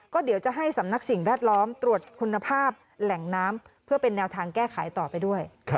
ก็เดี๋ยวจะให้สำนักสิ่งแวดล้อมตรวจคุณภาพแหล่งน้ำเพื่อเป็นแนวทางแก้ไขต่อไปด้วย